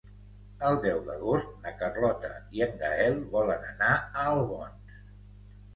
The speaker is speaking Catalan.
El deu d'agost na Carlota i en Gaël volen anar a Albons.